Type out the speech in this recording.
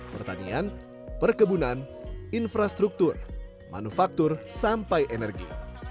pertanian perkebunan infrastruktur manufaktur sampai energi